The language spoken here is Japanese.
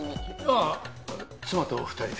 あぁ妻と２人で。